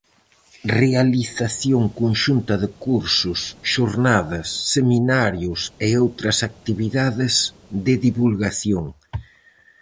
Realización conxunta de cursos, xornadas, seminarios e outras actividades de divulgación.